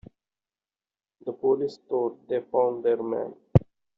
The police thought they found their man.